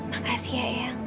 makasih ya ehang